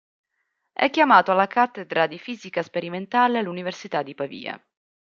È chiamato alla cattedra di Fisica sperimentale all'Università di Pavia.